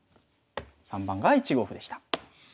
３番が１五歩でした。